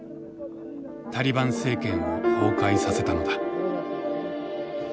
タリバン政権を崩壊させたのだ。